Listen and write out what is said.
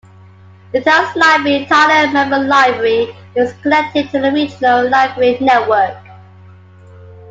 The town's library, Tyler Memorial Library, is connected to the regional library network.